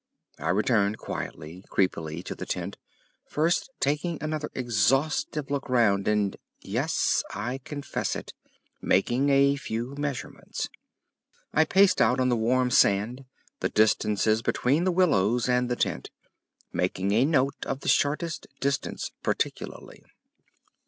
I returned quietly, creepily, to the tent, first taking another exhaustive look round and—yes, I confess it—making a few measurements. I paced out on the warm sand the distances between the willows and the tent, making a note of the shortest distance particularly.